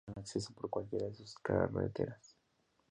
Tiene buen acceso por cualquiera de sus carreteras.